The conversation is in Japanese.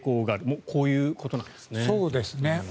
もう、こういうことなんですね。